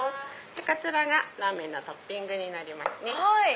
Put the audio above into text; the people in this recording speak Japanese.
こちらがラーメンのトッピングになりますね。